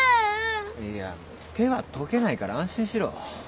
いや手は溶けないから安心しろ。